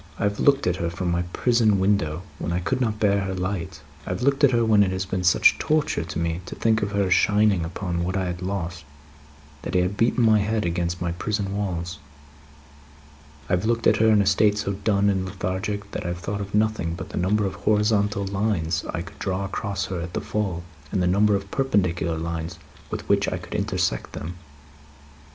"I have looked at her from my prison window, when I could not bear her light. I have looked at her when it has been such torture to me to think of her shining upon what I had lost, that I have beaten my head against my prison walls. I have looked at her, in a state so dull and lethargic, that I have thought of nothing but the number of horizontal lines I could draw across her at the full, and the number of perpendicular lines with which I could intersect them."